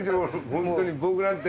ホントに僕なんて。